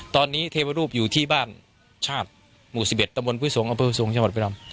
ตอนนี้เทวรูปอยู่ที่บ้านชาติหมู่๑๑ตระบวนภูยย์สงฆ์อัปพฤษงศ์ชมพรภิราม